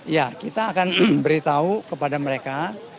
ya kita akan beritahu kepada mereka